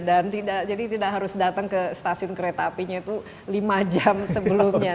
jadi tidak harus datang ke stasiun kereta apinya itu lima jam sebelumnya